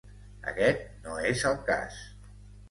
Aquest no és el cas.